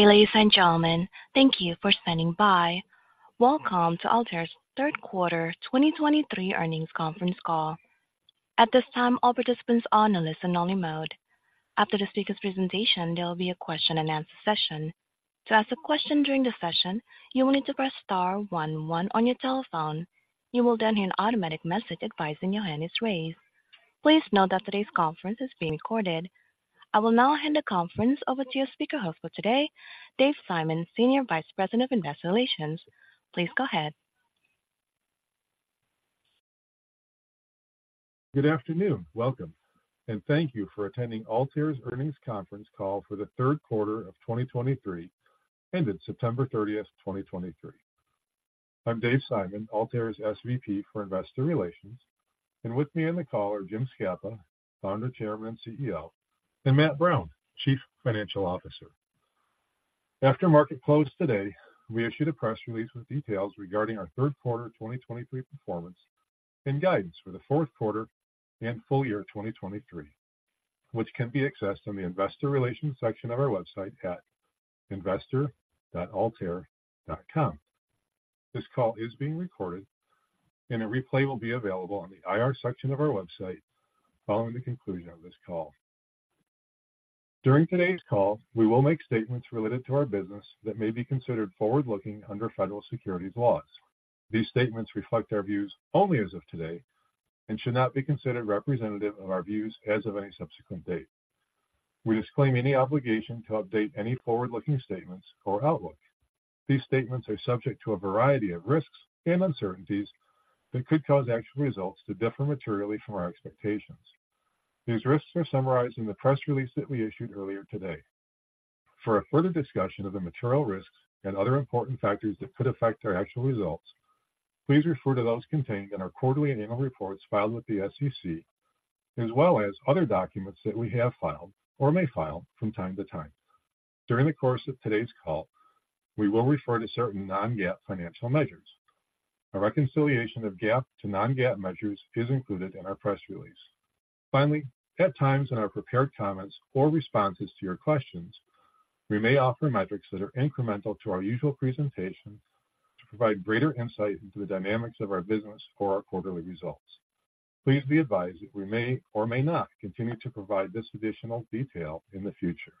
Ladies and gentlemen, thank you for standing by. Welcome to Altair's Q3 2023 earnings conference call. At this time, all participants are on a listen-only mode. After the speaker's presentation, there will be a question-and-answer session. To ask a question during the session, you will need to press star one one on your telephone. You will then hear an automatic message advising your hand is raised. Please note that today's conference is being recorded. I will now hand the conference over to your speaker host for today, Dave Simon, Senior Vice President of Investor Relations. Please go ahead. Good afternoon. Welcome, and thank you for attending Altair's earnings conference call for the Q3 of 2023, ended September 30, 2023. I'm Dave Simon, Altair's SVP for Investor Relations, and with me on the call are Jim Scapa, Founder, Chairman, and CEO, and Matt Brown, Chief Financial Officer. After market close today, we issued a press release with details regarding our Q3 2023 performance and guidance for the Q4 and full year 2023, which can be accessed on the investor relations section of our website at investor.altair.com. This call is being recorded, and a replay will be available on the IR section of our website following the conclusion of this call. During today's call, we will make statements related to our business that may be considered forward-looking under federal securities laws. These statements reflect our views only as of today and should not be considered representative of our views as of any subsequent date. We disclaim any obligation to update any forward-looking statements or outlook. These statements are subject to a variety of risks and uncertainties that could cause actual results to differ materially from our expectations. These risks are summarized in the press release that we issued earlier today. For a further discussion of the material risks and other important factors that could affect our actual results, please refer to those contained in our quarterly and annual reports filed with the SEC, as well as other documents that we have filed or may file from time to time. During the course of today's call, we will refer to certain non-GAAP financial measures. A reconciliation of GAAP to non-GAAP measures is included in our press release. Finally, at times in our prepared comments or responses to your questions, we may offer metrics that are incremental to our usual presentation to provide greater insight into the dynamics of our business for our quarterly results. Please be advised that we may or may not continue to provide this additional detail in the future.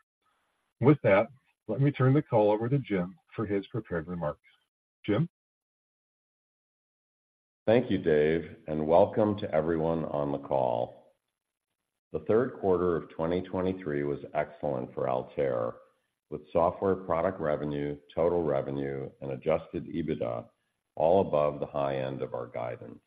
With that, let me turn the call over to Jim for his prepared remarks. Jim? Thank you, Dave, and welcome to everyone on the call. The Q3 of 2023 was excellent for Altair, with software product revenue, total revenue, and Adjusted EBITDA all above the high end of our guidance.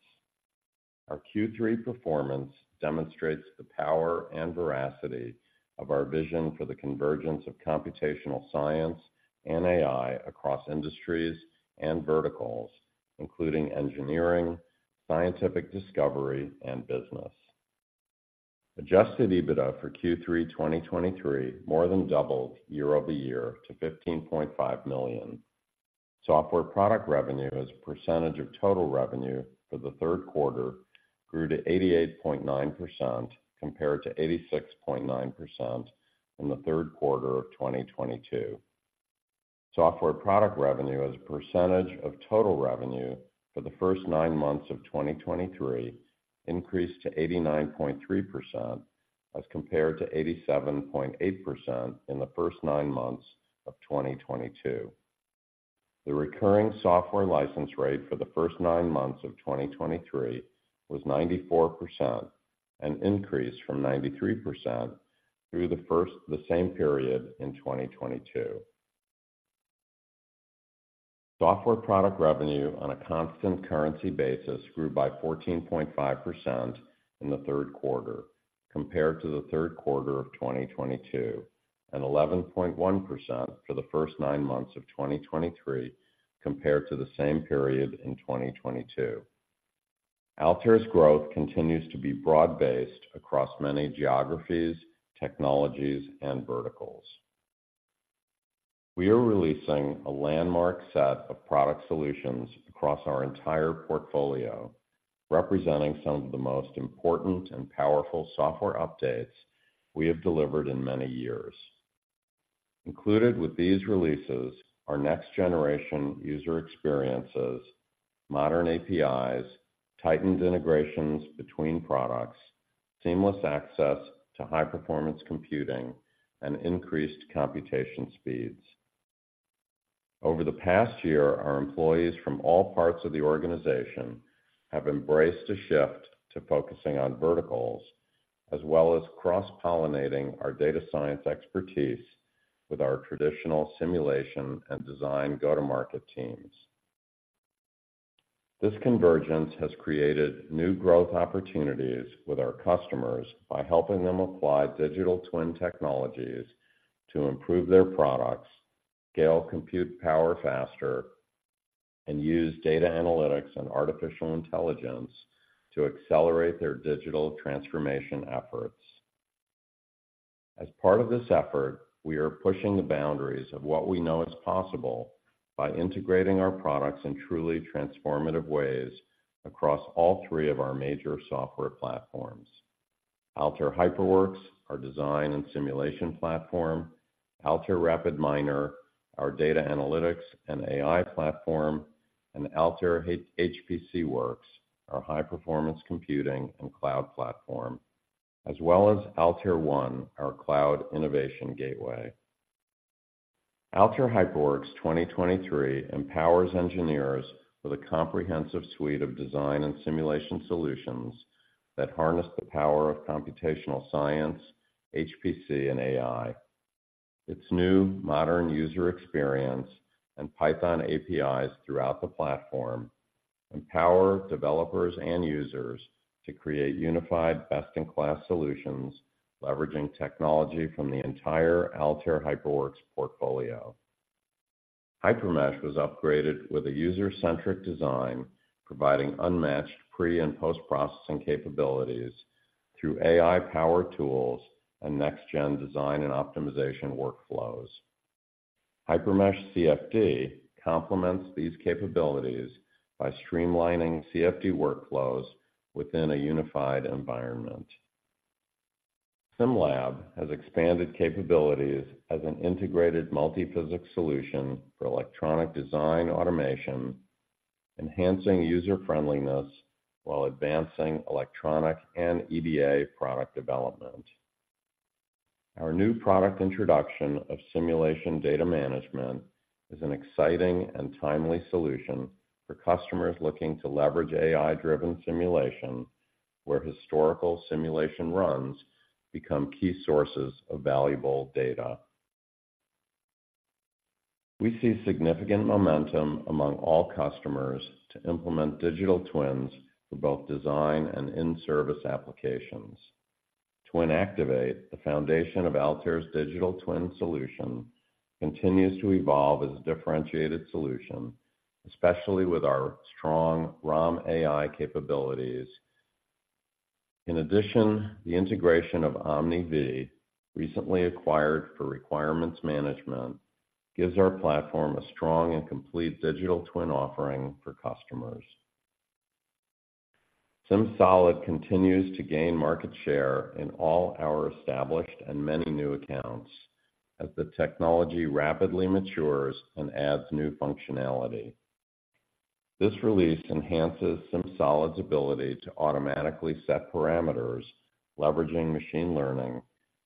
Our Q3 performance demonstrates the power and veracity of our vision for the convergence of computational science and AI across industries and verticals, including engineering, scientific discovery, and business. Adjusted EBITDA for Q3 2023 more than doubled year-over-year to $15.5 million. Software product revenue as a percentage of total revenue for the Q3 grew to 88.9%, compared to 86.9% in the Q3 of 2022. Software product revenue as a percentage of total revenue for the first nine months of 2023 increased to 89.3%, as compared to 87.8% in the first nine months of 2022. The recurring software license rate for the first nine months of 2023 was 94%, an increase from 93% through the same period in 2022. Software product revenue on a constant currency basis grew by 14.5% in the Q3 compared to the Q3 of 2022, and 11.1% for the first nine months of 2023 compared to the same period in 2022. Altair's growth continues to be broad-based across many geographies, technologies, and verticals. We are releasing a landmark set of product solutions across our entire portfolio, representing some of the most important and powerful software updates we have delivered in many years. Included with these releases are next-generation user experiences, modern APIs, tightened integrations between products, seamless access to high-performance computing, and increased computation speeds. Over the past year, our employees from all parts of the organization have embraced a shift to focusing on verticals, as well as cross-pollinating our data science expertise with our traditional simulation and design go-to-market teams. This convergence has created new growth opportunities with our customers by helping them apply digital twin technologies to improve their products, scale compute power faster, and use data analytics and artificial intelligence to accelerate their digital transformation efforts. As part of this effort, we are pushing the boundaries of what we know is possible by integrating our products in truly transformative ways across all three of our major software platforms. Altair HyperWorks, our design and simulation platform, Altair RapidMiner, our data analytics and AI platform, and Altair HPCWorks, our high-performance computing and cloud platform, as well as Altair One, our cloud innovation gateway. Altair HyperWorks 2023 empowers engineers with a comprehensive suite of design and simulation solutions that harness the power of computational science, HPC, and AI. Its new modern user experience and Python APIs throughout the platform empower developers and users to create unified, best-in-class solutions, leveraging technology from the entire Altair HyperWorks portfolio. HyperMesh was upgraded with a user-centric design, providing unmatched pre- and post-processing capabilities through AI-powered tools and next-gen design and optimization workflows. HyperMesh CFD complements these capabilities by streamlining CFD workflows within a unified environment. SimLab has expanded capabilities as an integrated multi-physics solution for electronic design automation, enhancing user-friendliness while advancing electronic and EDA product development. Our new product introduction of simulation data management is an exciting and timely solution for customers looking to leverage AI-driven simulation, where historical simulation runs become key sources of valuable data. We see significant momentum among all customers to implement digital twins for both design and in-service applications. Twin Activate, the foundation of Altair's digital twin solution, continues to evolve as a differentiated solution, especially with our strong romAI capabilities. In addition, the integration of OmniB, recently acquired for requirements management, gives our platform a strong and complete digital twin offering for customers. SimSolid continues to gain market share in all our established and many new accounts as the technology rapidly matures and adds new functionality. This release enhances SimSolid's ability to automatically set parameters, leveraging machine learning,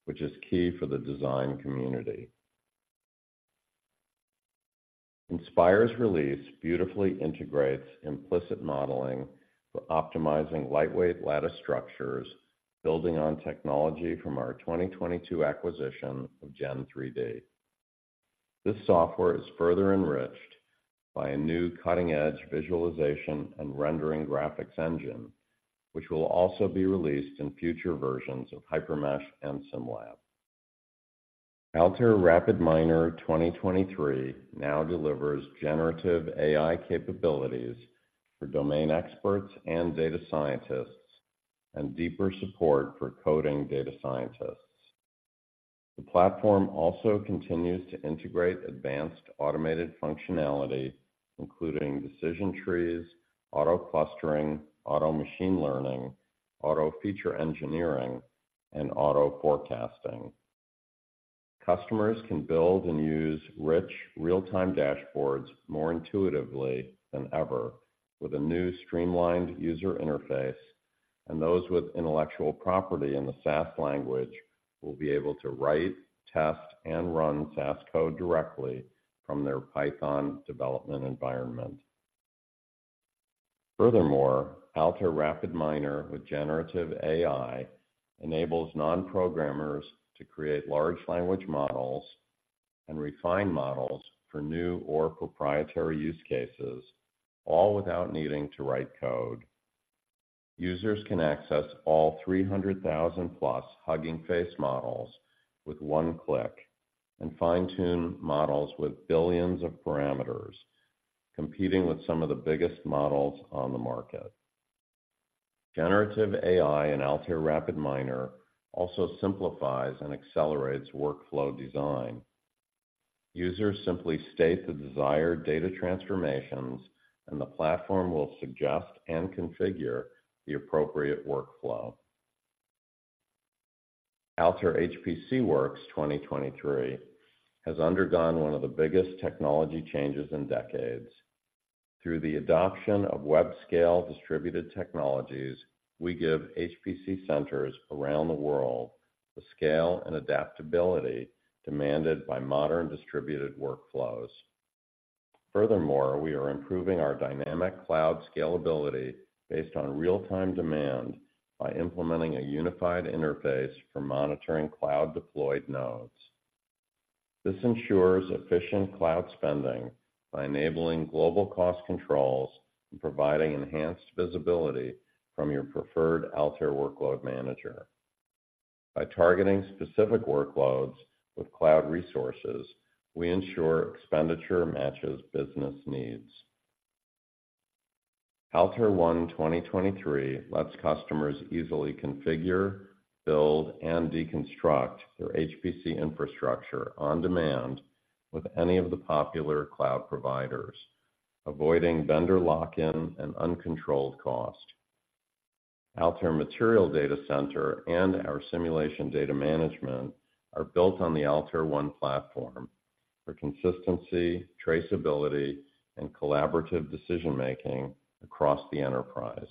which is key for the design community. Inspire's release beautifully integrates implicit modeling for optimizing lightweight lattice structures, building on technology from our 2022 acquisition of Gen3D. This software is further enriched by a new cutting-edge visualization and rendering graphics engine, which will also be released in future versions of HyperMesh and SimLab. Altair RapidMiner 2023 now delivers generative AI capabilities for domain experts and data scientists, and deeper support for coding data scientists. The platform also continues to integrate advanced automated functionality, including decision trees, auto clustering, auto machine learning, auto feature engineering, and auto forecasting. Customers can build and use rich, real-time dashboards more intuitively than ever with a new streamlined user interface, and those with intellectual property in the SAS language will be able to write, test, and run SAS code directly from their Python development environment. Furthermore, Altair RapidMiner with generative AI enables non-programmers to create large language models and refine models for new or proprietary use cases, all without needing to write code. Users can access all 300,000+ Hugging Face models with one click and fine-tune models with billions of parameters, competing with some of the biggest models on the market. Generative AI in Altair RapidMiner also simplifies and accelerates workflow design. Users simply state the desired data transformations, and the platform will suggest and configure the appropriate workflow. Altair HPCWorks 2023 has undergone one of the biggest technology changes in decades. Through the adoption of web-scale distributed technologies, we give HPC centers around the world the scale and adaptability demanded by modern distributed workflows. Furthermore, we are improving our dynamic cloud scalability based on real-time demand by implementing a unified interface for monitoring cloud-deployed nodes. This ensures efficient cloud spending by enabling global cost controls and providing enhanced visibility from your preferred Altair workload manager. By targeting specific workloads with cloud resources, we ensure expenditure matches business needs. Altair One 2023 lets customers easily configure, build, and deconstruct their HPC infrastructure on demand with any of the popular cloud providers, avoiding vendor lock-in and uncontrolled cost. Altair Material Data Center and our simulation data management are built on the Altair One platform for consistency, traceability, and collaborative decision-making across the enterprise.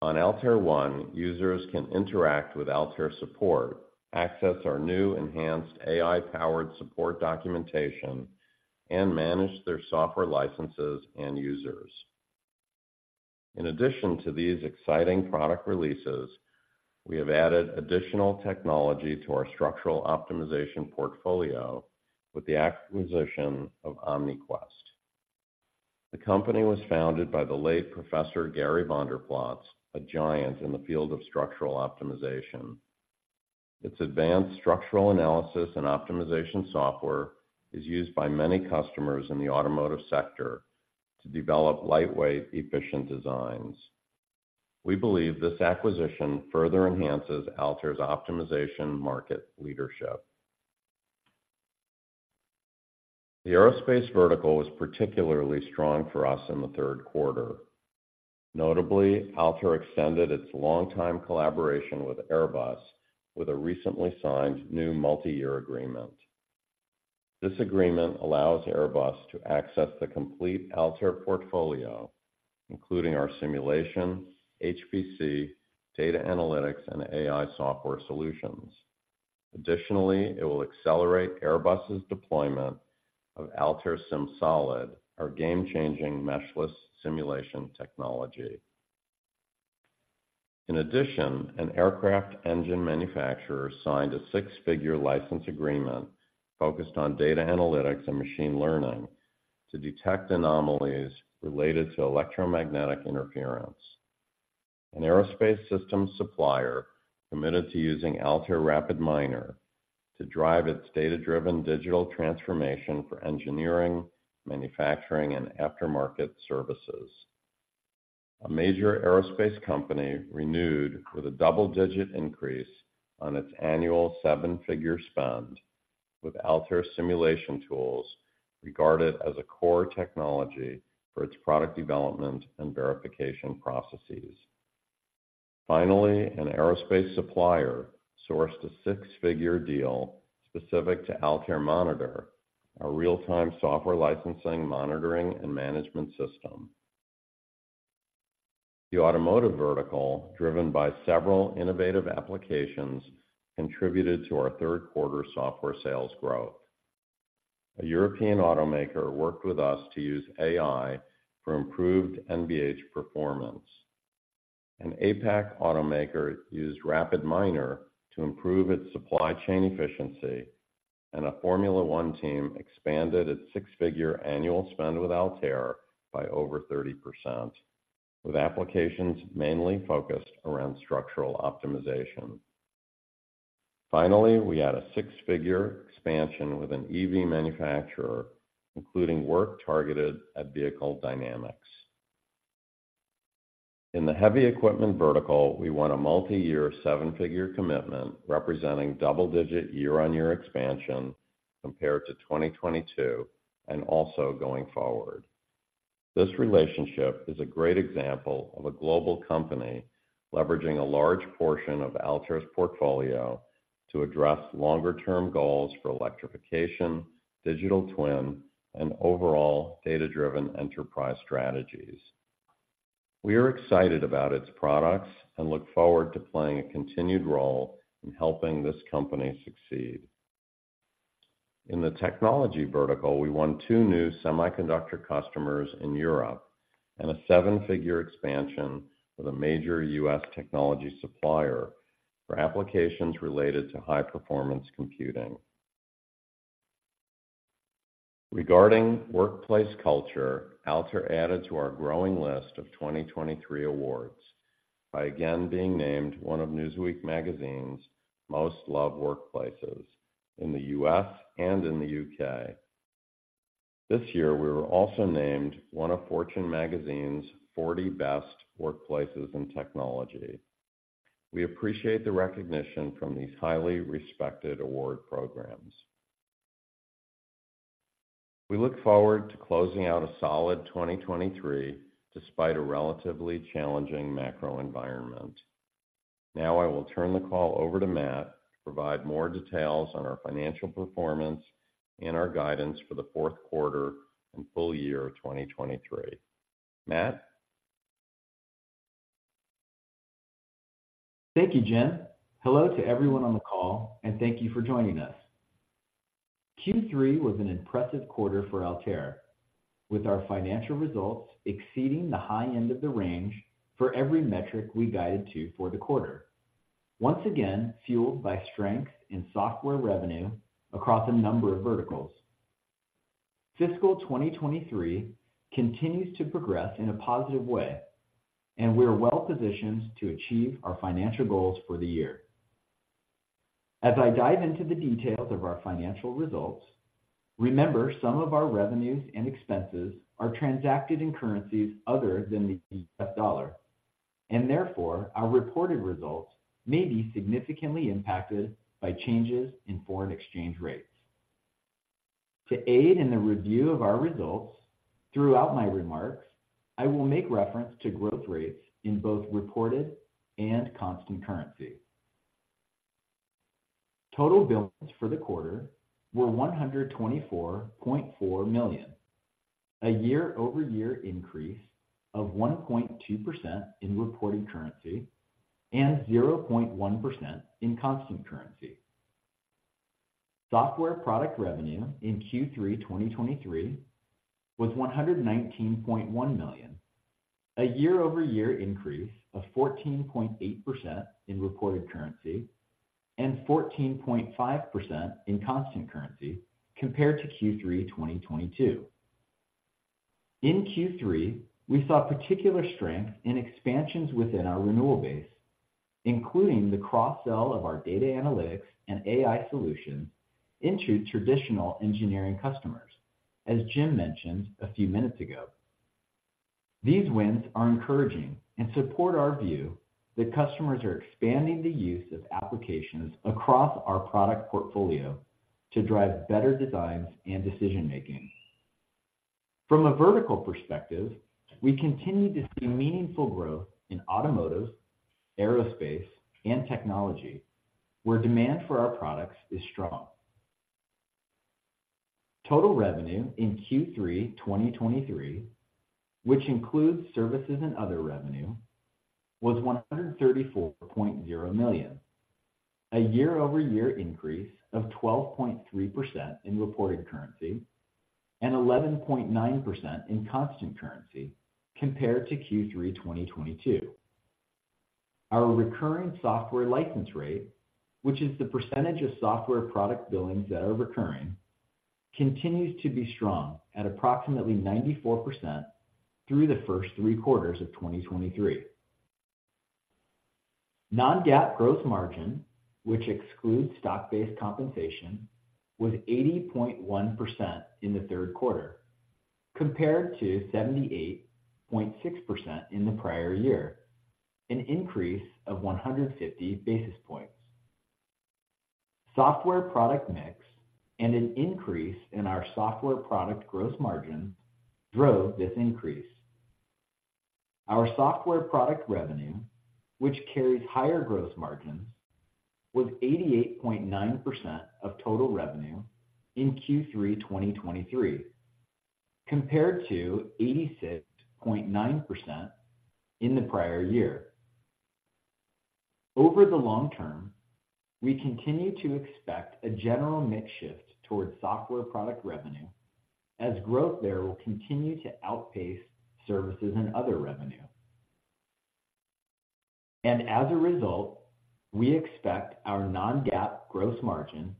On Altair One, users can interact with Altair support, access our new enhanced AI-powered support documentation, and manage their software licenses and users. In addition to these exciting product releases, we have added additional technology to our structural optimization portfolio with the acquisition of OmniQuest. The company was founded by the late Professor Gary Vanderplaats, a giant in the field of structural optimization. Its advanced structural analysis and optimization software is used by many customers in the automotive sector to develop lightweight, efficient designs. We believe this acquisition further enhances Altair's optimization market leadership. The aerospace vertical was particularly strong for us in the third quarter. Notably, Altair extended its long-time collaboration with Airbus with a recently signed new multiyear agreement. This agreement allows Airbus to access the complete Altair portfolio, including our simulation, HPC, data analytics, and AI software solutions. Additionally, it will accelerate Airbus's deployment of Altair SimSolid, our game-changing meshless simulation technology. In addition, an aircraft engine manufacturer signed a six-figure license agreement focused on data analytics and machine learning to detect anomalies related to electromagnetic interference. An aerospace systems supplier committed to using Altair RapidMiner to drive its data-driven digital transformation for engineering, manufacturing, and aftermarket services. A major aerospace company renewed with a double-digit increase on its annual seven-figure spend, with Altair simulation tools regarded as a core technology for its product development and verification processes. Finally, an aerospace supplier sourced a six-figure deal specific to Altair Monitor, our real-time software licensing, monitoring, and management system. The automotive vertical, driven by several innovative applications, contributed to our Q3 software sales growth. A European automaker worked with us to use AI for improved NVH performance. An APAC automaker used RapidMiner to improve its supply chain efficiency, and a Formula One team expanded its six-figure annual spend with Altair by over 30%, with applications mainly focused around structural optimization. Finally, we had a six-figure expansion with an EV manufacturer, including work targeted at vehicle dynamics. In the heavy equipment vertical, we won a multiyear seven-figure commitment, representing double-digit year-on-year expansion compared to 2022, and also going forward. This relationship is a great example of a global company leveraging a large portion of Altair's portfolio to address longer-term goals for electrification, digital twin, and overall data-driven enterprise strategies. We are excited about its products and look forward to playing a continued role in helping this company succeed. In the technology vertical, we won 2 new semiconductor customers in Europe and a seven-figure expansion with a major US technology supplier for applications related to high-performance computing. Regarding workplace culture, Altair added to our growing list of 2023 awards by again being named one of Newsweek's Most Loved Workplaces in the U.S. and in the U.K. This year, we were also named one of Fortune's 40 Best Workplaces in Technology. We appreciate the recognition from these highly respected award programs. We look forward to closing out a solid 2023, despite a relatively challenging macro environment. Now, I will turn the call over to Matt to provide more details on our financial performance and our guidance for the Q4 and full year of 2023. Matt? Thank you, Jim. Hello to everyone on the call, and thank you for joining us. Q3 was an impressive quarter for Altair, with our financial results exceeding the high end of the range for every metric we guided to for the quarter. Once again, fueled by strength in software revenue across a number of verticals. Fiscal 2023 continues to progress in a positive way, and we are well positioned to achieve our financial goals for the year. As I dive into the details of our financial results, remember, some of our revenues and expenses are transacted in currencies other than the US dollar, and therefore, our reported results may be significantly impacted by changes in foreign exchange rates. To aid in the review of our results, throughout my remarks, I will make reference to growth rates in both reported and constant currency. Total billings for the quarter were $124.4 million, a year-over-year increase of 1.2% in reported currency and 0.1% in constant currency. Software product revenue in Q3 2023 was $119.1 million, a year-over-year increase of 14.8% in reported currency and 14.5% in constant currency compared to Q3 2022. In Q3, we saw particular strength in expansions within our renewal base, including the cross-sell of our data analytics and AI solutions into traditional engineering customers, as Jim mentioned a few minutes ago. These wins are encouraging and support our view that customers are expanding the use of applications across our product portfolio to drive better designs and decision-making. From a vertical perspective, we continue to see meaningful growth in automotive, aerospace, and technology, where demand for our products is strong. Total revenue in Q3 2023, which includes services and other revenue, was $134.0 million, a year-over-year increase of 12.3% in reported currency and 11.9% in constant currency compared to Q3 2022. Our recurring software license rate, which is the percentage of software product billings that are recurring, continues to be strong at approximately 94% through the first three quarters of 2023. Non-GAAP gross margin, which excludes stock-based compensation, was 80.1% in the third quarter, compared to 78.6% in the prior year, an increase of 150 basis points. Software product mix and an increase in our software product gross margin drove this increase. Our software product revenue, which carries higher gross margins, was 88.9% of total revenue in Q3 2023, compared to 86.9% in the prior year. Over the long term, we continue to expect a general mix shift towards software product revenue, as growth there will continue to outpace services and other revenue. As a result, we expect our non-GAAP gross margin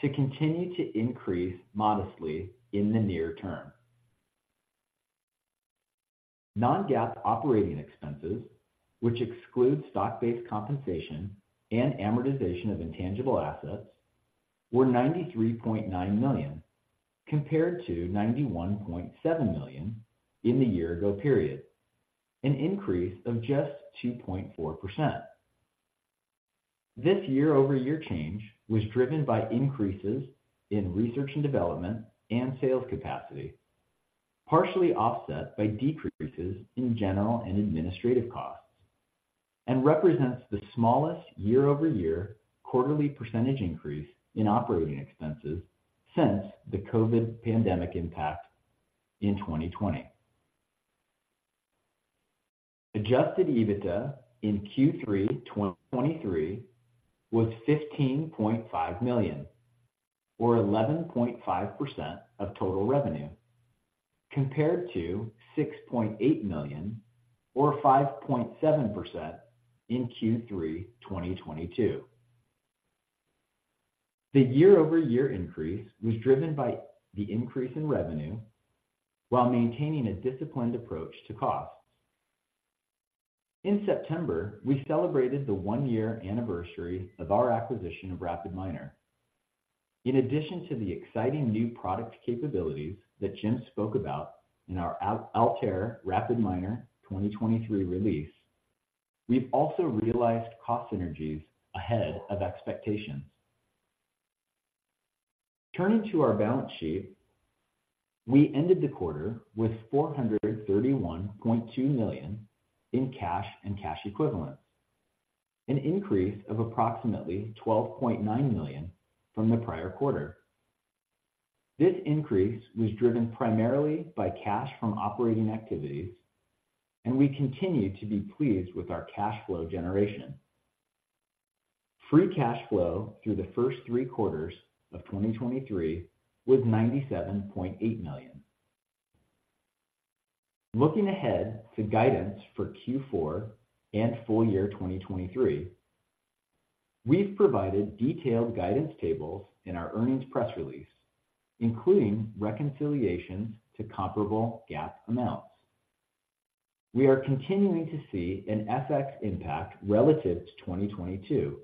to continue to increase modestly in the near term. Non-GAAP operating expenses, which excludes stock-based compensation and amortization of intangible assets, were $93.9 million compared to $91.7 million in the year ago period, an increase of just 2.4%. This year-over-year change was driven by increases in research and development and sales capacity, partially offset by decreases in general and administrative costs, and represents the smallest year-over-year quarterly percentage increase in operating expenses since the COVID pandemic impact in 2020. Adjusted EBITDA in Q3 2023 was $15.5 million, or 11.5% of total revenue, compared to $6.8 million, or 5.7% in Q3 2022. The year-over-year increase was driven by the increase in revenue while maintaining a disciplined approach to costs. In September, we celebrated the one-year anniversary of our acquisition of RapidMiner. In addition to the exciting new product capabilities that Jim spoke about in our Altair RapidMiner 2023 release, we've also realized cost synergies ahead of expectations. Turning to our balance sheet, we ended the quarter with $431.2 million in cash and cash equivalents, an increase of approximately $12.9 million from the prior quarter. This increase was driven primarily by cash from operating activities, and we continue to be pleased with our cash flow generation. Free cash flow through the first three quarters of 2023 was $97.8 million. Looking ahead to guidance for Q4 and full year 2023, we've provided detailed guidance tables in our earnings press release, including reconciliations to comparable GAAP amounts. We are continuing to see an FX impact relative to 2022,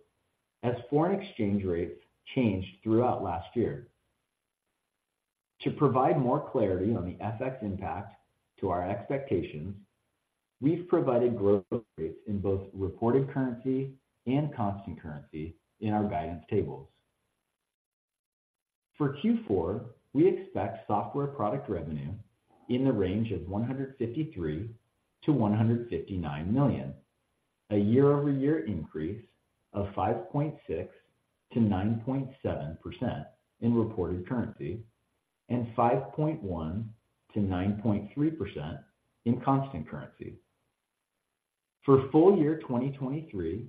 as foreign exchange rates changed throughout last year. To provide more clarity on the FX impact to our expectations, we've provided growth rates in both reported currency and constant currency in our guidance tables. For Q4, we expect software product revenue in the range of $153 million-$159 million, a year-over-year increase of 5.6%-9.7% in reported currency and 5.1%-9.3% in constant currency. For full year 2023,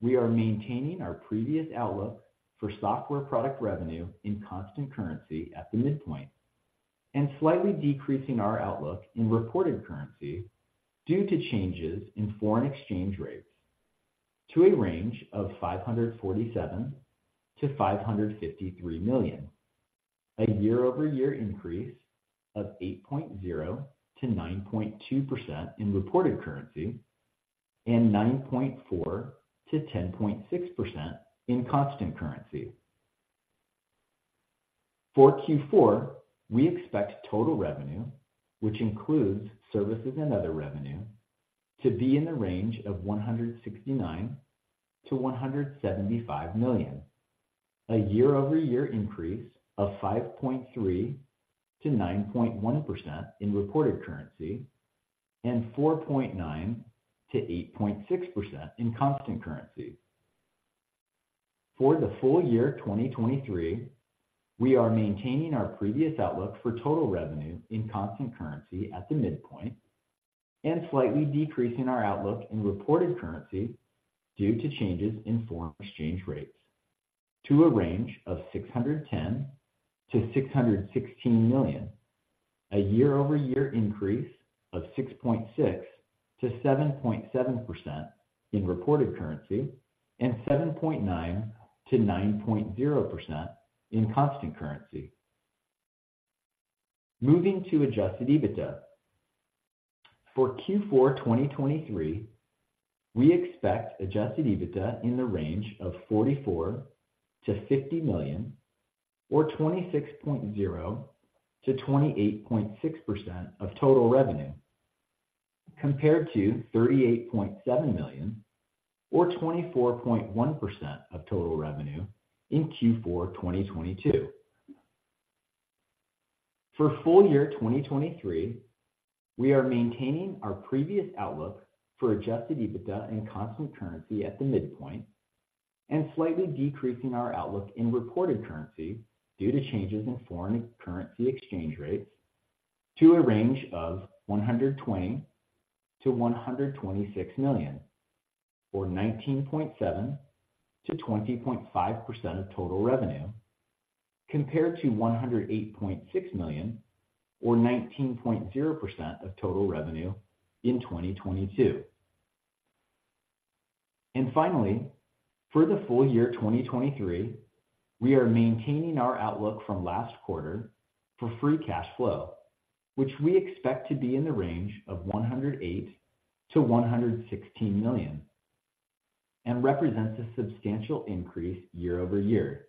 we are maintaining our previous outlook for software product revenue in constant currency at the midpoint, and slightly decreasing our outlook in reported currency due to changes in foreign exchange rates to a range of $547 million-$553 million, a year-over-year increase of 8.0%-9.2% in reported currency and 9.4%-10.6% in constant currency. For Q4, we expect total revenue, which includes services and other revenue, to be in the range of $169 million-$175 million, a year-over-year increase of 5.3%-9.1% in reported currency and 4.9%-8.6% in constant currency. For the full year 2023, we are maintaining our previous outlook for total revenue in constant currency at the midpoint and slightly decreasing our outlook in reported currency due to changes in foreign exchange rates to a range of $610 million-$616 million, a year-over-year increase of 6.6%-7.7% in reported currency and 7.9%-9.0% in constant currency. Moving to Adjusted EBITDA. For Q4 2023, we expect adjusted EBITDA in the range of $44 million-$50 million or 26.0%-28.6% of total revenue, compared to $38.7 million or 24.1% of total revenue in Q4 2022. For full year 2023, we are maintaining our previous outlook for adjusted EBITDA in constant currency at the midpoint and slightly decreasing our outlook in reported currency due to changes in foreign currency exchange rates to a range of $120 million-$126 million, or 19.7%-20.5% of total revenue, compared to $108.6 million or 19.0% of total revenue in 2022. Finally, for the full year 2023, we are maintaining our outlook from last quarter for Free Cash Flow, which we expect to be in the range of $108 million-$116 million, and represents a substantial increase year-over-year.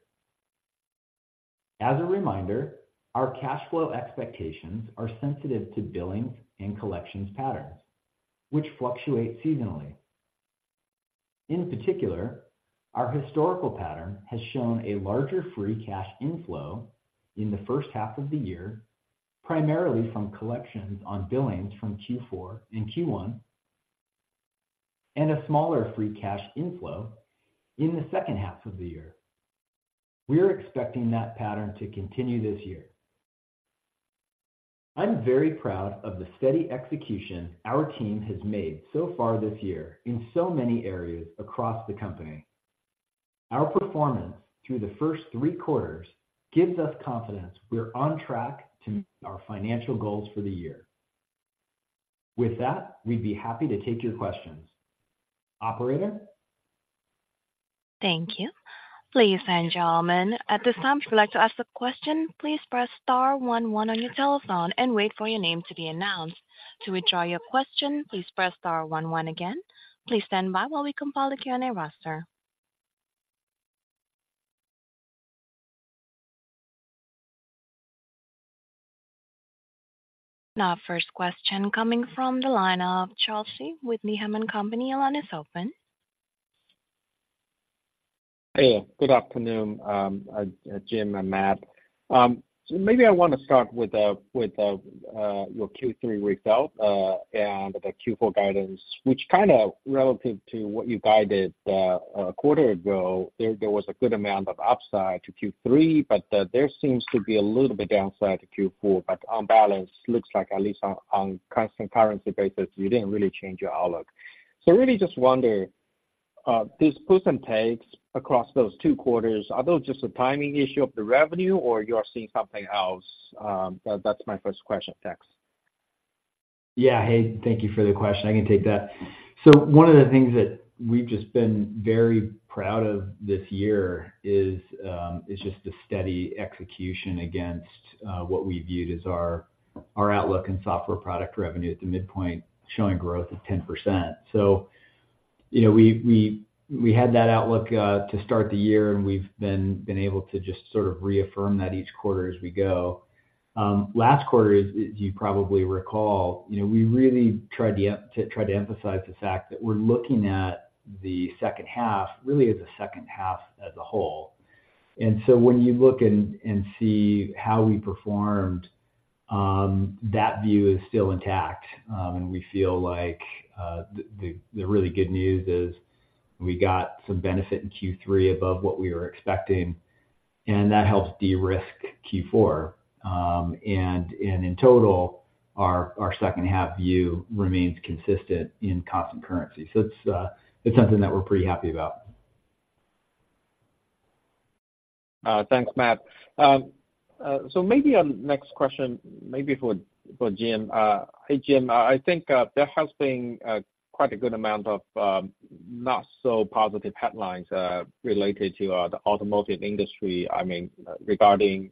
As a reminder, our cash flow expectations are sensitive to billing and collections patterns, which fluctuate seasonally. In particular, our historical pattern has shown a larger free cash inflow in the first half of the year, primarily from collections on billings from Q4 and Q1, and a smaller free cash inflow in the second half of the year. We're expecting that pattern to continue this year. I'm very proud of the steady execution our team has made so far this year in so many areas across the company. Our performance through the first three quarters gives us confidence we're on track to meet our financial goals for the year. With that, we'd be happy to take your questions. Operator? Thank you. Ladies and gentlemen, at this time, if you'd like to ask a question, please press star one one on your telephone and wait for your name to be announced. To withdraw your question, please press star one one again. Please stand by while we compile the Q&A roster. Our first question coming from the line of Charles Shi with Needham and Company. Your line is open. Hey, good afternoon, Jim and Matt. So maybe I want to start with your Q3 result and the Q4 guidance, which kind of relative to what you guided a quarter ago, there was a good amount of upside to Q3, but there seems to be a little bit downside to Q4, but on balance, looks like at least on constant currency basis, you didn't really change your outlook. So really just wonder, these puts and takes across those two quarters, are those just a timing issue of the revenue or you are seeing something else? That, that's my first question. Thanks. Yeah, hey, thank you for the question. I can take that. So one of the things that we've just been very proud of this year is just the steady execution against what we viewed as our outlook in software product revenue at the midpoint, showing growth of 10%. So you know, we had that outlook to start the year, and we've been able to just sort of reaffirm that each quarter as we go. Last quarter, as you probably recall, you know, we really tried to emphasize the fact that we're looking at the second half, really as a second half as a whole. And so when you look and see how we performed, that view is still intact. We feel like the really good news is we got some benefit in Q3 above what we were expecting, and that helps de-risk Q4. In total, our second half view remains consistent in constant currency. So it's something that we're pretty happy about. Thanks, Matt. So maybe on next question, maybe for Jim. Hey, Jim, I think there has been quite a good amount of not so positive headlines related to the automotive industry. I mean, regarding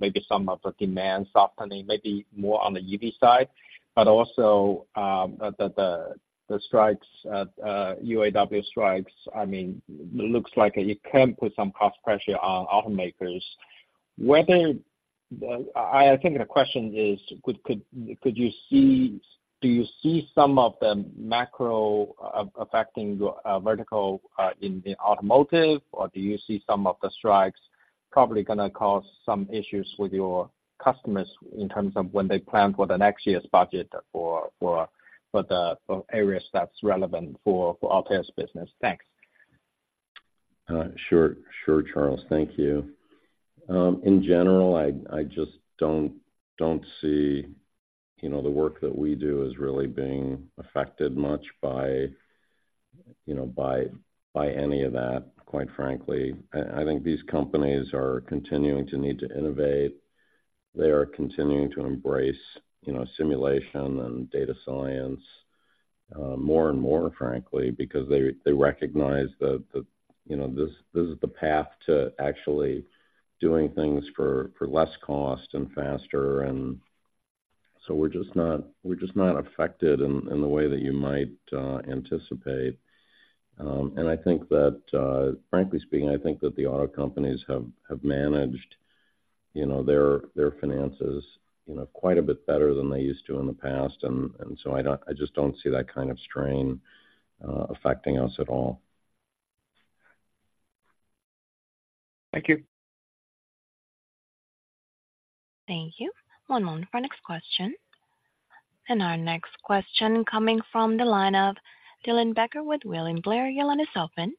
maybe some of the demand softening, maybe more on the EV side, but also the strikes, UAW strikes. I mean, looks like it can put some cost pressure on automakers. Whether I think the question is: could you see - do you see some of the macro affecting your vertical in automotive? Or do you see some of the strikes probably gonna cause some issues with your customers in terms of when they plan for the next year's budget for the areas that's relevant for Altair's business? Thanks. Sure. Sure, Charles. Thank you. In general, I just don't see, you know, the work that we do as really being affected much by, you know, by any of that, quite frankly. I think these companies are continuing to need to innovate. They are continuing to embrace, you know, simulation and data science more and more, frankly, because they recognize that, you know, this is the path to actually doing things for less cost and faster. And so we're just not, we're just not affected in the way that you might anticipate. And I think that, frankly speaking, I think that the auto companies have managed, you know, their finances, you know, quite a bit better than they used to in the past. And so I don't. I just don't see that kind of strain affecting us at all. Thank you. Thank you. One moment for next question. Our next question coming from the line of Dylan Becker with William Blair. Your line is open.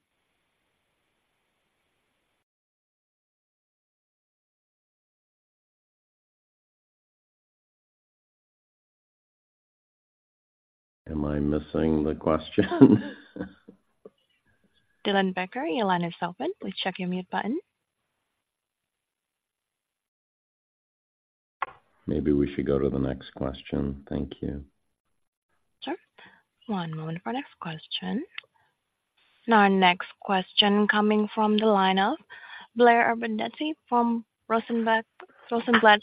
Am I missing the question? Dylan Becker, your line is open. Please check your mute button. Maybe we should go to the next question. Thank you. Sure. One moment for our next question. Our next question coming from the line of Blair Abernethy from Rosenblatt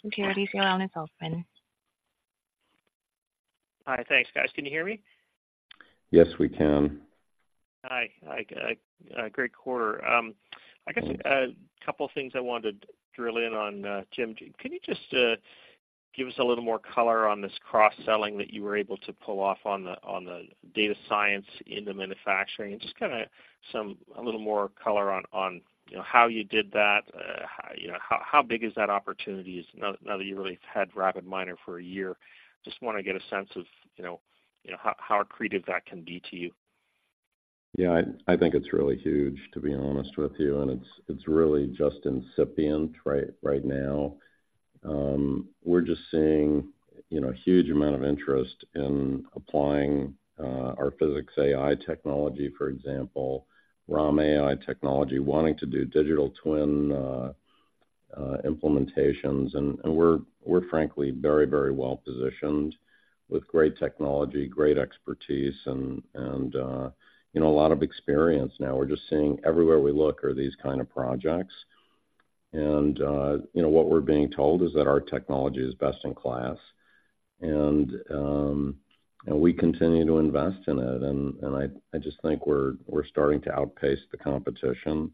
Securities. Your line is open. Hi. Thanks, guys. Can you hear me? Yes, we can. Hi. Hi, great quarter. I guess a couple things I wanted to drill in on, Jim. Can you just give us a little more color on this cross-selling that you were able to pull off on the, on the data science into manufacturing, and just kinda, some a little more color on, on, you know, how you did that? How, you know, how big is that opportunity now, now that you really have had RapidMiner for a year? Just wanna get a sense of, you know, you know, how, how accretive that can be to you. Yeah, I think it's really huge, to be honest with you, and it's really just incipient right now. We're just seeing, you know, a huge amount of interest in applying our physics AI technology, for example, ROM AI technology, wanting to do digital twin implementations. And we're frankly very well positioned with great technology, great expertise and you know a lot of experience now. We're just seeing everywhere we look are these kind of projects. And you know what we're being told is that our technology is best in class. And we continue to invest in it. And I just think we're starting to outpace the competition,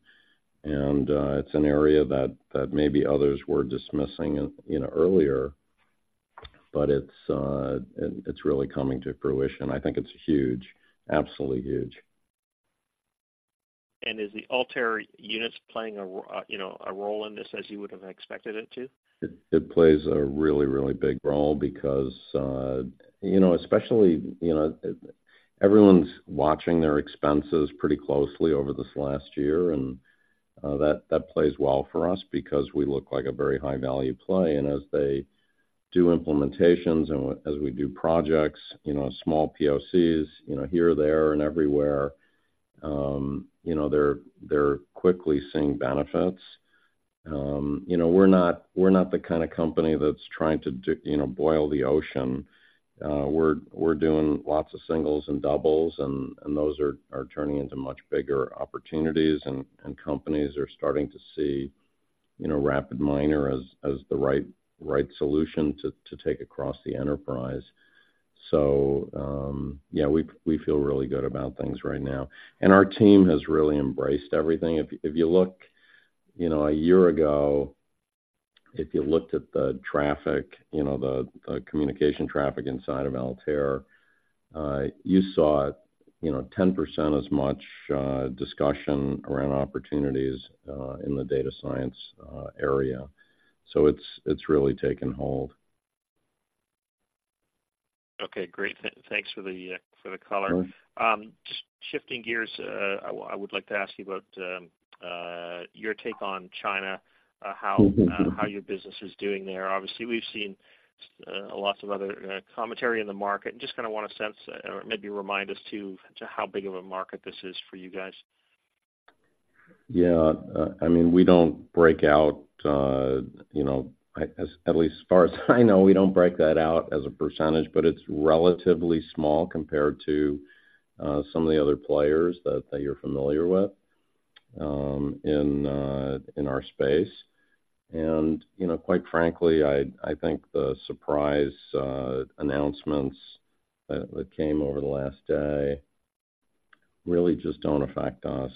and it's an area that maybe others were dismissing you know earlier, but it's really coming to fruition. I think it's huge, absolutely huge. Is the Altair Units playing a role in this as you would have expected it to? It plays a really, really big role because, you know, especially, you know, everyone's watching their expenses pretty closely over this last year, and that plays well for us because we look like a very high-value play. And as they do implementations and as we do projects, you know, small POCs, you know, here, there, and everywhere, they're quickly seeing benefits. You know, we're not the kind of company that's trying to, you know, boil the ocean. We're doing lots of singles and doubles, and those are turning into much bigger opportunities, and companies are starting to see, you know, RapidMiner as the right solution to take across the enterprise. So, yeah, we feel really good about things right now. And our team has really embraced everything. If you look, you know, a year ago, if you looked at the traffic, you know, the communication traffic inside of Altair, you saw, you know, 10% as much discussion around opportunities in the data science area. So it's really taken hold. Okay, great. Thanks for the, for the color. Mm-hmm. Just shifting gears, I would like to ask you about your take on China, Mm-hmm. how your business is doing there. Obviously, we've seen lots of other commentary in the market. Just kinda wanna sense or maybe remind us to how big of a market this is for you guys. Yeah. I mean, we don't break out, you know, as at least as far as I know, we don't break that out as a percentage, but it's relatively small compared to some of the other players that, that you're familiar with in our space. And, you know, quite frankly, I, I think the surprise announcements that, that came over the last day really just don't affect us.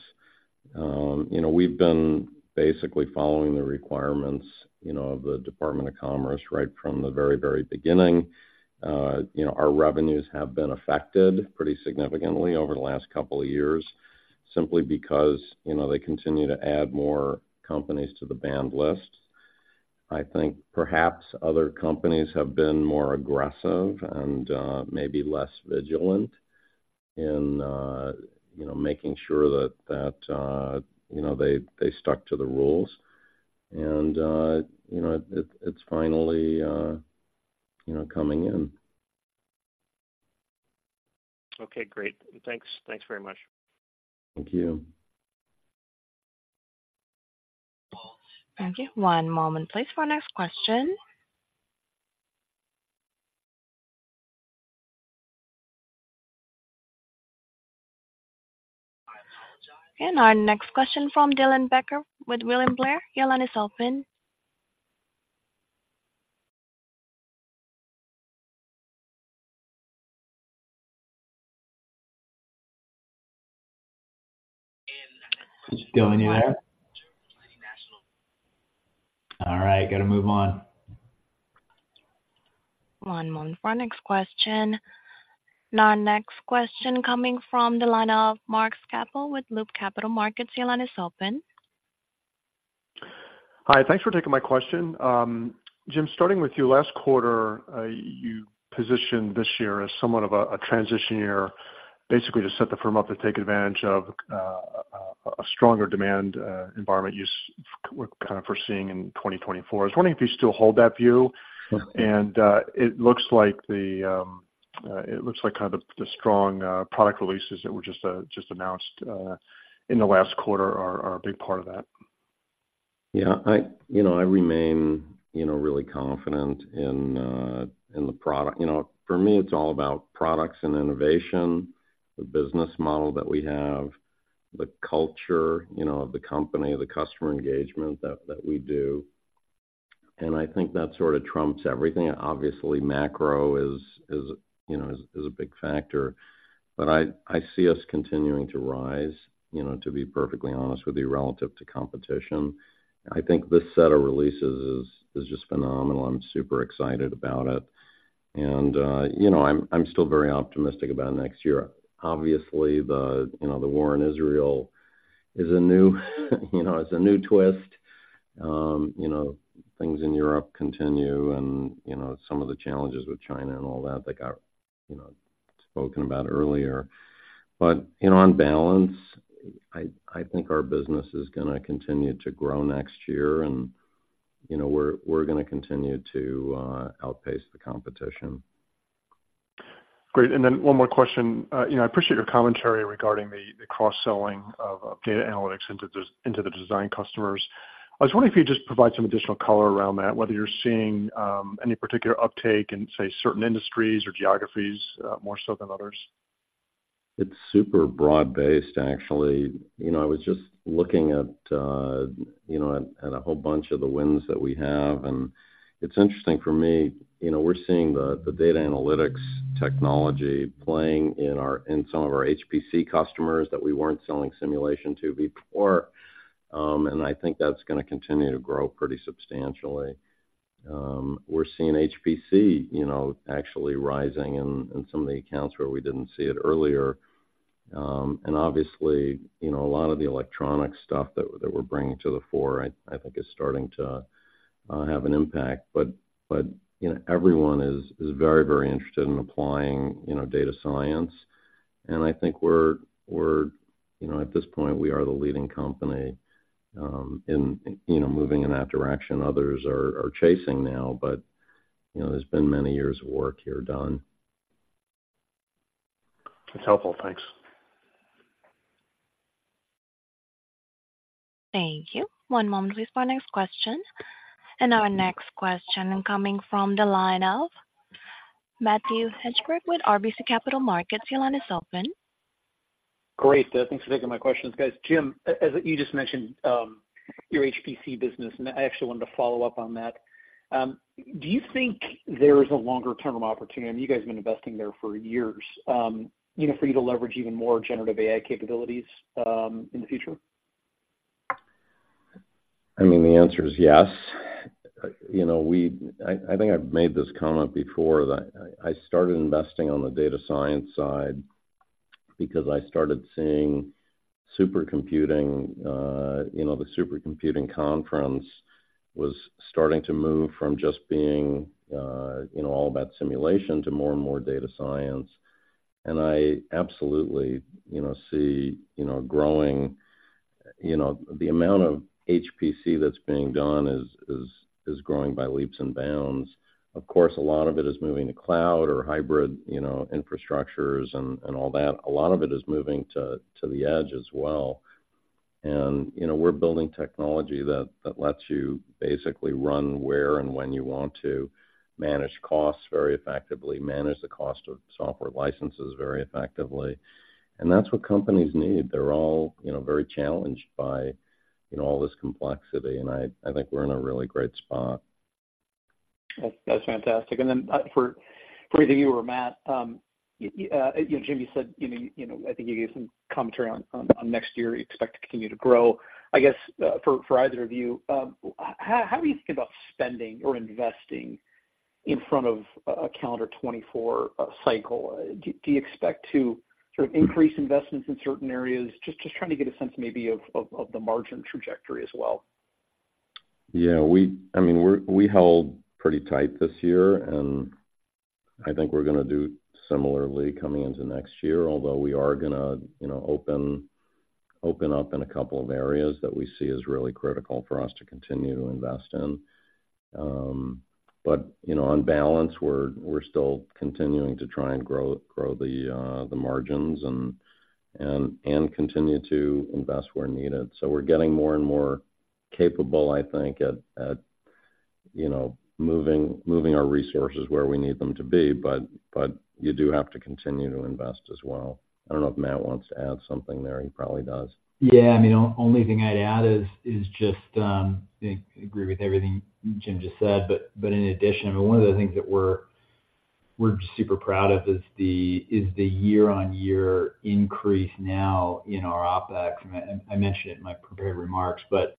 You know, we've been basically following the requirements, you know, of the Department of Commerce, right from the very, very beginning. You know, our revenues have been affected pretty significantly over the last couple of years, simply because, you know, they continue to add more companies to the banned list. I think perhaps other companies have been more aggressive and, maybe less vigilant in, you know, making sure that, that, you know, they, they stuck to the rules. And, you know, it, it's finally, you know, coming in. Okay, great. Thanks. Thanks very much. Thank you. Thank you. One moment, please, for our next question. Our next question from Dylan Becker with William Blair. Your line is open. Dylan, you there? All right, gotta move on. One moment for our next question. Our next question coming from the line of Mark Schappel with Loop Capital Markets. Your line is open. Hi, thanks for taking my question. Jim, starting with you, last quarter, you positioned this year as somewhat of a transition year, basically to set the firm up to take advantage of a stronger demand environment we're kind of foreseeing in 2024. I was wondering if you still hold that view. Mm-hmm. It looks like kind of the strong product releases that were just just announced in the last quarter are a big part of that. Yeah, I, you know, I remain, you know, really confident in the product. You know, for me, it's all about products and innovation, the business model that we have, the culture, you know, of the company, the customer engagement that we do. And I think that sort of trumps everything. Obviously, macro is, you know, a big factor. But I see us continuing to rise, you know, to be perfectly honest with you, relative to competition. I think this set of releases is just phenomenal. I'm super excited about it, and you know, I'm still very optimistic about next year. Obviously, you know, the war in Israel is a new twist. You know, things in Europe continue and, you know, some of the challenges with China and all that, that got, you know, spoken about earlier. But, you know, on balance, I, I think our business is gonna continue to grow next year, and, you know, we're, we're gonna continue to outpace the competition. Great. And then one more question. You know, I appreciate your commentary regarding the cross-selling of data analytics into the design customers. I was wondering if you could just provide some additional color around that, whether you're seeing any particular uptake in, say, certain industries or geographies, more so than others. It's super broad-based, actually. You know, I was just looking at, you know, at a whole bunch of the wins that we have, and it's interesting for me. You know, we're seeing the data analytics technology playing in our, in some of our HPC customers that we weren't selling simulation to before. And I think that's gonna continue to grow pretty substantially. We're seeing HPC, you know, actually rising in some of the accounts where we didn't see it earlier. And obviously, you know, a lot of the electronic stuff that we're bringing to the fore, I think is starting to have an impact. But, you know, everyone is very, very interested in applying, you know, data science, and I think we're, we're, You know, at this point, we are the leading company, in, you know, moving in that direction. Others are chasing now, but, you know, there's been many years of work here done. That's helpful. Thanks. Thank you. One moment, please, for our next question. Our next question coming from the line of Matthew Hedberg with RBC Capital Markets. Your line is open. Great. Thanks for taking my questions, guys. Jim, as you just mentioned, your HPC business, and I actually wanted to follow up on that. Do you think there is a longer-term opportunity, you guys have been investing there for years, you know, for you to leverage even more generative AI capabilities, in the future? I mean, the answer is yes. You know, we—I think I've made this comment before, that I started investing on the data science side because I started seeing supercomputing, you know, the supercomputing conference was starting to move from just being, you know, all about simulation to more and more data science. And I absolutely, you know, see, you know, growing. You know, the amount of HPC that's being done is growing by leaps and bounds. Of course, a lot of it is moving to cloud or hybrid, you know, infrastructures and all that. A lot of it is moving to the edge as well. And, you know, we're building technology that lets you basically run where and when you want to, manage costs very effectively, manage the cost of software licenses very effectively, and that's what companies need. They're all, you know, very challenged by, you know, all this complexity, and I, I think we're in a really great spot. That's, that's fantastic. And then, for either you or Matt, you know, Jim, you said, you know, I think you gave some commentary on next year, you expect to continue to grow. I guess, for either of you, how are you thinking about spending or investing in front of a calendar 2024 cycle? Do you expect to sort of increase investments in certain areas? Just trying to get a sense maybe of the margin trajectory as well. Yeah, I mean, we're, we held pretty tight this year, and I think we're gonna do similarly coming into next year, although we are gonna, you know, open, open up in a couple of areas that we see as really critical for us to continue to invest in. But, you know, on balance we're, we're still continuing to try and grow, grow the, the margins and, and continue to invest where needed. So we're getting more and more capable, I think, at, you know, moving, moving our resources where we need them to be, but, but you do have to continue to invest as well. I don't know if Matt wants to add something there. He probably does. Yeah, I mean, the only thing I'd add is just I agree with everything Jim just said, but in addition, I mean, one of the things that we're super proud of is the year-on-year increase now in our OpEx. And I mentioned it in my prepared remarks, but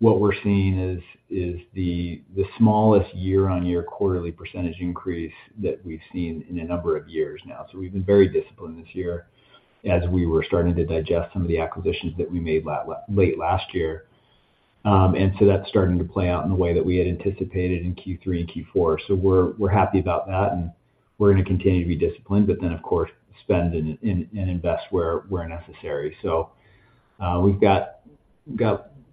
what we're seeing is the smallest year-on-year quarterly percentage increase that we've seen in a number of years now. So we've been very disciplined this year as we were starting to digest some of the acquisitions that we made late last year. And so that's starting to play out in the way that we had anticipated in Q3 and Q4. So we're happy about that, and we're gonna continue to be disciplined, but then, of course, spend and invest where necessary. We've got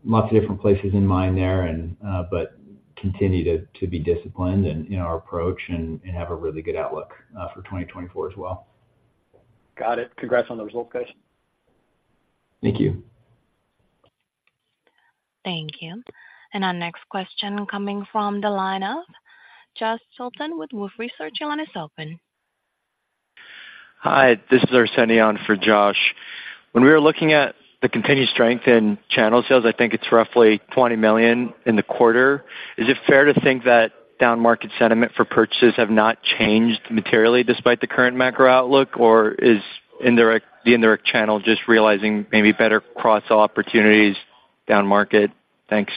lots of different places in mind there and but continue to be disciplined in our approach and have a really good outlook for 2024 as well. Got it. Congrats on the results, guys. Thank you. Thank you. Our next question coming from the line of Josh Tilton with Wolfe Research. Your line is open. Hi, this is Arsenian for Josh. When we were looking at the continued strength in channel sales, I think it's roughly $20 million in the quarter. Is it fair to think that down market sentiment for purchases have not changed materially despite the current macro outlook, or is the indirect channel just realizing maybe better cross-sell opportunities down market? Thanks.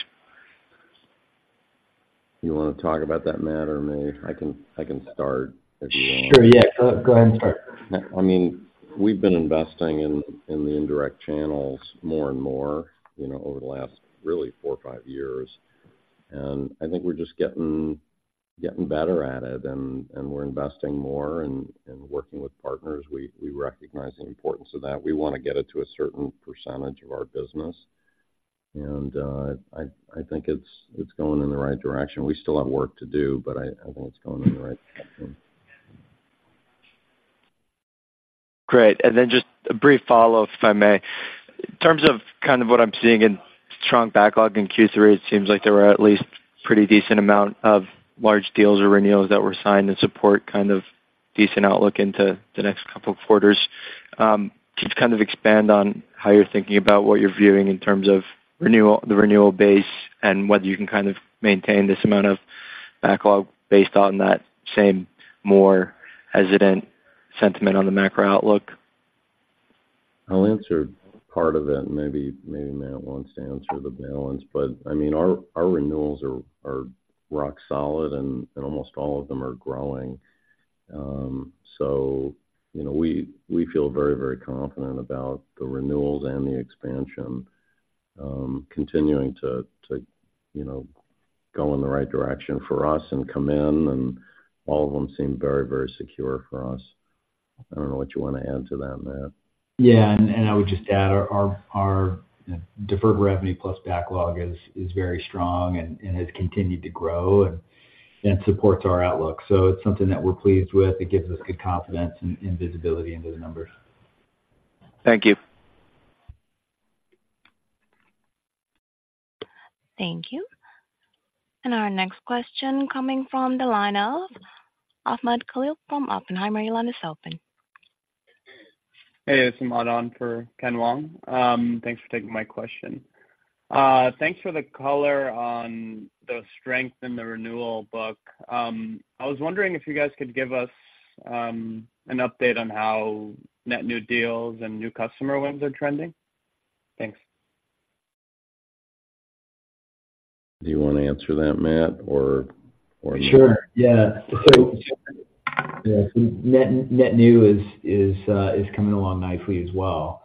You wanna talk about that, Matt, or me? I can, I can start if you want. Sure. Yeah. Go ahead. Sorry. I mean, we've been investing in the indirect channels more and more, you know, over the last really 4 or 5 years. I think we're just getting better at it, and we're investing more and working with partners. We recognize the importance of that. We wanna get it to a certain percentage of our business, and I think it's going in the right direction. We still have work to do, but I think it's going in the right direction. Great. And then just a brief follow up, if I may. In terms of kind of what I'm seeing in strong backlog in Q3, it seems like there were at least pretty decent amount of large deals or renewals that were signed and support kind of decent outlook into the next couple of quarters, just kind of expand on how you're thinking about what you're viewing in terms of renewal, the renewal base and whether you can kind of maintain this amount of backlog based on that same more hesitant sentiment on the macro outlook. I'll answer part of it, and maybe, maybe Matt wants to answer the balance, but I mean our, our renewals are, are rock solid, and, and almost all of them are growing. So, you know, we, we feel very very confident about the renewals and the expansion, continuing to, to, you know, go in the right direction for us and come in, and all of them seem very, very secure for us. I don't know what you want to add to that, Matt. Yeah, and I would just add, our deferred revenue plus backlog is very strong and has continued to grow and supports our outlook. So it's something that we're pleased with. It gives us good confidence and visibility into the numbers. Thank you. Thank you. Our next question coming from the line of Ahmad Khalil from Oppenheimer. Your line is open. Hey, it's Ahmad on for Ken Wong. Thanks for taking my question. Thanks for the color on the strength in the renewal book. I was wondering if you guys could give us an update on how net new deals and new customer wins are trending? Thanks. Do you want to answer that, Matt, or Sure. Yeah. So, yeah, so net, net new is coming along nicely as well.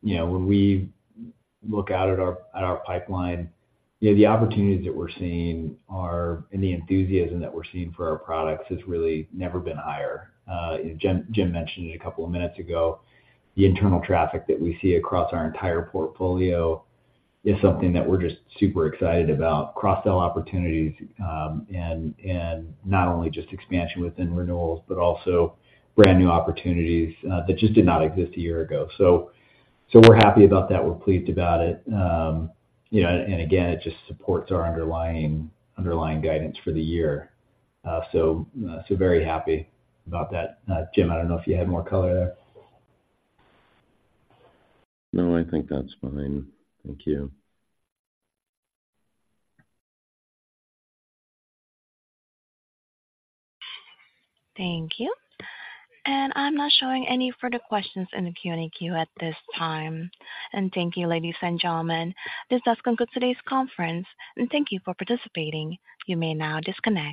You know, when we look out at our pipeline, you know, the opportunities that we're seeing are, and the enthusiasm that we're seeing for our products has really never been higher. Jim, Jim mentioned it a couple of minutes ago, the internal traffic that we see across our entire portfolio is something that we're just super excited about, cross-sell opportunities, and not only just expansion within renewals, but also brand-new opportunities that just did not exist a year ago. So we're happy about that. We're pleased about it. You know, and again, it just supports our underlying guidance for the year. So very happy about that. Jim, I don't know if you had more color there. No, I think that's fine. Thank you. Thank you. I'm not showing any further questions in the Q&A queue at this time. Thank you, ladies and gentlemen. This does conclude today's conference, and thank you for participating. You may now disconnect.